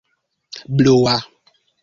blua